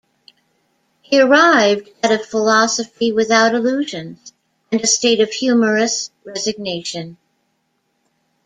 He arrived at a philosophy without illusions, and a state of humorous resignation.